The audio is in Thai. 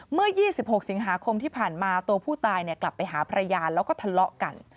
เมื่อ๒๖สิงหาคมที่ผ่านมาตัวผู้ตายกลับไปหาภรรยาแล้วก็ทะเลาะกัน